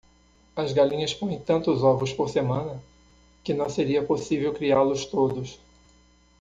As galinhas põem tantos ovos por semana? que não seria possível criá-los todos.